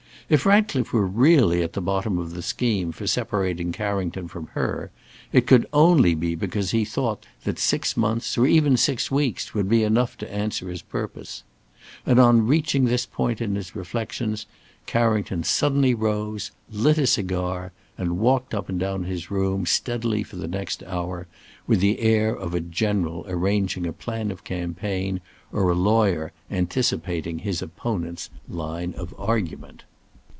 If Ratcliffe were really at the bottom of the scheme for separating Carrington from her, it could only be because he thought that six months, or even six weeks, would be enough to answer his purpose. And on reaching this point in his reflections, Carrington suddenly rose, lit a cigar, and walked up and down his room steadily for the next hour, with the air of a general arranging a plan of campaign, or a lawyer anticipating his opponent's line of argument.